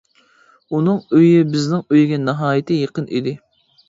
ئۇنىڭ ئۆيى بىزنىڭ ئۆيگە ناھايىتى يېقىن ئىدى.